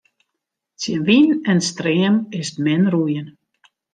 Tsjin wyn en stream is 't min roeien.